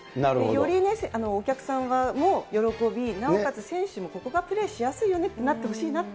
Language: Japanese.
より、お客さんも喜び、なおかつ選手もここがプレーしやすいよねっていうふうになってほしいなっ